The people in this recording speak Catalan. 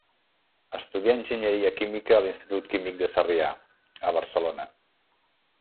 Estudià enginyeria química a l'Institut Químic de Sarrià, a Barcelona.